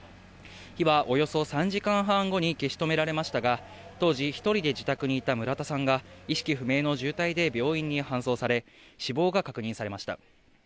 火はおよそ３時間半後に消し止められましたが、当時１人で自宅にいた村田さんが、意識不明の重体で病院に搬送され、死亡が確認されました。